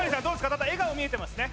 ただ笑顔見えてますね